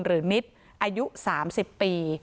หรือมิษยุ๓๐ปี